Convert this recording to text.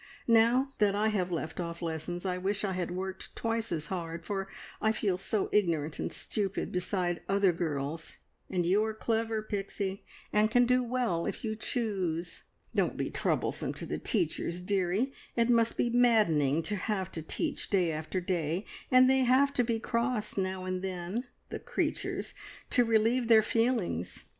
Now that I have left off lessons I wish I had worked twice as hard, for I feel so ignorant and stupid beside other girls; and you are clever, Pixie, and can do well if you choose. Don't be troublesome to the teachers, dearie; it must be maddening to have to teach day after day, and they have to be cross now and then the creatures! to relieve their feelings.